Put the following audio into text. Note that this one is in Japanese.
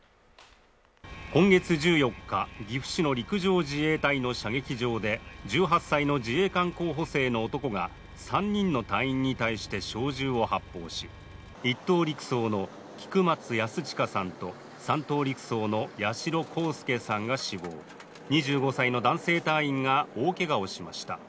今月１４日、岐阜市の陸上自衛隊の射撃場で１８歳の自衛官候補生の男が３人の隊員に対して小銃を発砲し、一等陸曹の菊松安親さんと三等陸曹の八代航佑さんが死亡、２５歳の男性隊員が大怪我をしました。